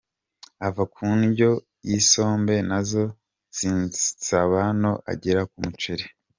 Ava ku ndyo y’isombe nazo z’insabano agera ku muceri.